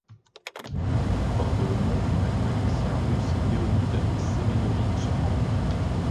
Il porte le nom du mathématicien russe Leonid Semenovich Frank.